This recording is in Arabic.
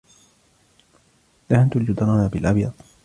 دهنَت الجدران بالأبيض.